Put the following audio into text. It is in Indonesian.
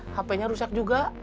hp nya rusak juga